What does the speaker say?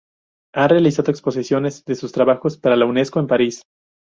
Ha realizado exposiciones de sus trabajos para la Unesco en París.